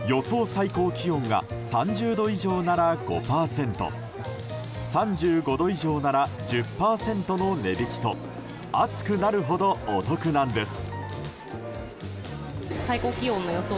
最高気温が３０度以上なら５％３５度以上なら１０％の値引きと暑くなるほどお得なんです。